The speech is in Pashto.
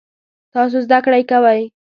تاسو زده کړی کوئ؟